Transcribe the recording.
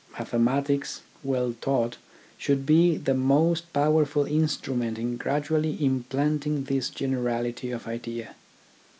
Mathematics, well taught, should be the most powerful instrument in gradually implanting this generality of idea.